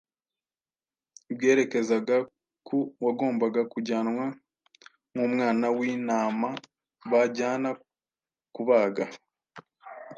bwerekezaga ku wagombaga ” kujyanwa nk’umwana w’intama bajyana kubaga.